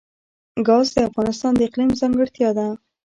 ګاز د افغانستان د اقلیم ځانګړتیا ده.